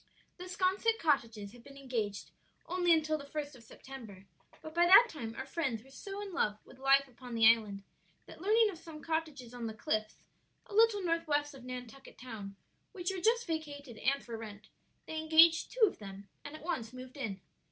The 'Sconset cottages had been engaged only until the first of September, but by that time our friends were so in love with life upon the island that learning of some cottages on the cliffs, a little north west of Nantucket Town, which were just vacated and for rent, they engaged two of them and at once moved in.